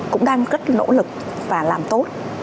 cũng đang rất nỗ lực và làm tốt